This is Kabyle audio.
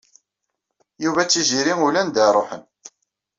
Yuba d Tiziri ulanda ad ṛuḥen.